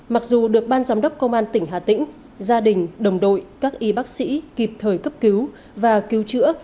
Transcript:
mặc dù được ban giám đốc công an tỉnh hà tĩnh gia đình đồng đội các y bác sĩ kịp thời cấp cứu và cứu chữa